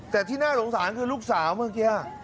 แต่ที่น่าสงสารคือลูกสาวเมื่อกี้